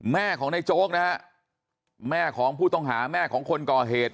แม่ของในโจ๊กนะฮะแม่ของผู้ต้องหาแม่ของคนก่อเหตุ